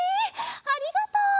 ありがとう！